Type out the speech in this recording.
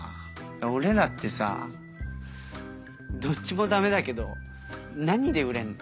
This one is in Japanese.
俺らってさどっちもダメだけど何で売れんの？